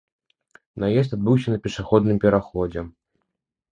Наезд адбыўся на пешаходным пераходзе.